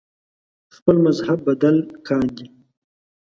خپل مذهب بدل کاندي